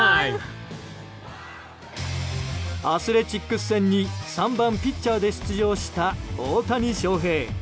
アスレチックス戦に３番ピッチャーで出場した大谷翔平。